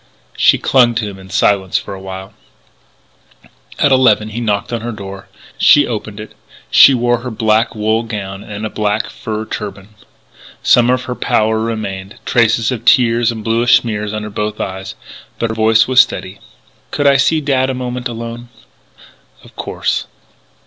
She clung to him in silence for a while. At eleven he knocked on her door. She opened it. She wore her black wool gown and a black fur turban. Some of her pallor remained, traces of tears and bluish smears under both eyes. But her voice was steady. "Could I see Dad a moment alone?" "Of course."